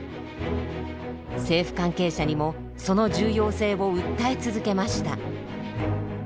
政府関係者にもその重要性を訴え続けました。